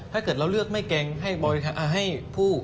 ถ้าเกิดเราเลือกไม่เก่งให้ผู้